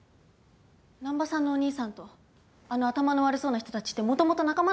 難破さんのお兄さんとあの頭の悪そうな人たちってもともと仲間なんでしょ？